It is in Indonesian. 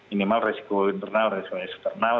ini malah risiko internal dan external